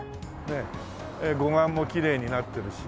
護岸もきれいになってるし。